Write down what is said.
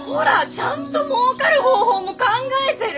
ちゃんともうかる方法も考えてる！